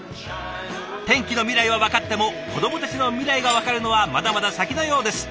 天気の未来は分かっても子どもたちの未来が分かるのはまだまだ先のようです。